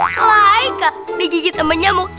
kalau hai kali digigit sama nyamuk